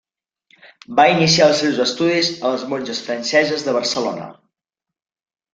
Va iniciar els seus estudis a les monges franceses de Barcelona.